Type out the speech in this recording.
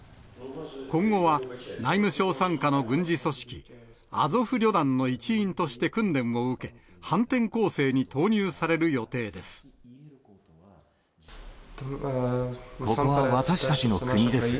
今後は内務省傘下の軍事組織、アゾフ旅団の一員として訓練を受け、ここは私たちの国です。